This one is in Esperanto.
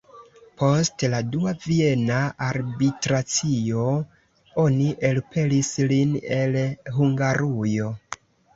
Post la dua Viena arbitracio oni elpelis lin el Hungarujo.